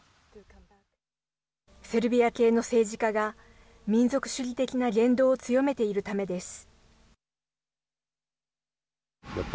セルビア系の政治家が民族主義的な言動を強めているためです。